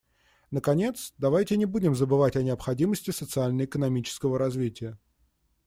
Наконец, давайте не будем забывать о необходимости социально-экономического развития.